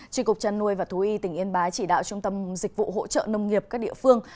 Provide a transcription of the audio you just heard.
tri cục trăn nuôi và thú y tỉnh yên bái chỉ đạo trung tâm dịch vụ hỗ trợ nông nghiệp các địa phương